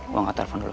gua ngga telepon dulu